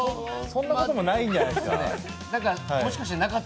そんなこともないんじゃないですか？